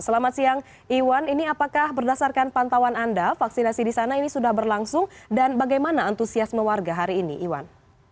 selamat siang iwan ini apakah berdasarkan pantauan anda vaksinasi di sana ini sudah berlangsung dan bagaimana antusiasme warga hari ini iwan